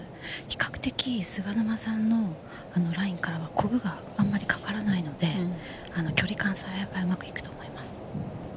比較的、菅沼さんのラインからはコブがあんまりかからないので、距離感さえ合えばうまくいくと思います。